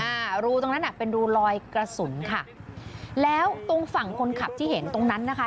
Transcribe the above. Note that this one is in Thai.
อ่ารูตรงนั้นอ่ะเป็นรูลอยกระสุนค่ะแล้วตรงฝั่งคนขับที่เห็นตรงนั้นนะคะ